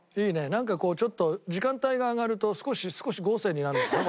なんかちょっと時間帯が上がると少し豪勢になるのかな？